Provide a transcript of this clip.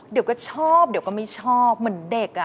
เดี๋ยวก็ชอบเดี๋ยวก็ไม่ชอบเหมือนเด็กอ่ะ